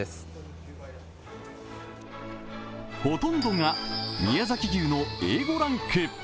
ほとんどが宮崎牛のＡ５ランク。